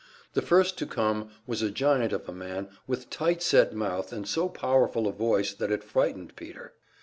The first to come was a giant of a man with tight set mouth and so powerful a voice that it frightened Peter.